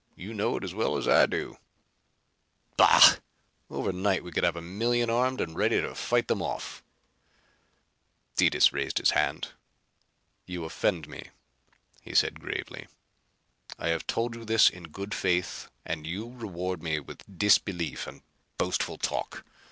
You know it as well as I do." "Bah! Overnight we could have a million armed and ready to fight them off." Detis raised his hand. "You offend me," he said gravely. "I have told you this in good faith and you reward me with disbelief and boastful talk.